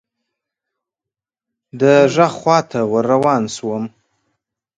د ږغ خواته ور روان شوم .